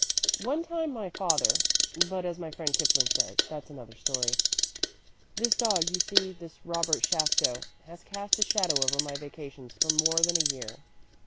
One time my father but, as my friend Kipling says, that's another story. This dog, you see this Robert Shafto has cast a shadow over my vacations for more than a year.